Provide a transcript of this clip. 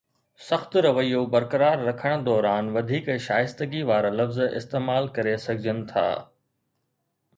سخت رويو برقرار رکڻ دوران، وڌيڪ شائستگي وارا لفظ استعمال ڪري سگهجن ٿا.